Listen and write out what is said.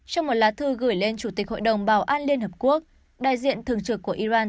trong một lá thư gửi lên chủ tịch hội đồng bảo an liên hợp quốc đại diện thường trực của iran